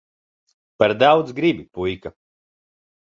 Par daudz gribi, puika.